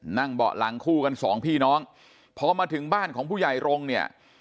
เบาะหลังคู่กันสองพี่น้องพอมาถึงบ้านของผู้ใหญ่รงค์เนี่ย